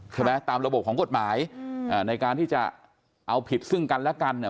ใช่ไหมตามระบบของกฎหมายในการที่จะเอาผิดซึ่งกันและกันอ่ะ